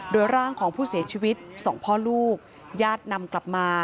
โดยร่างของผู้เสียชีวิตสองพ่อลูกญาตินำกลับมา